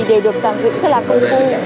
đều được giảng dựng rất là công phu